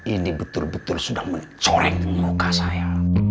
ini betul betul sudah mencoreng muka saya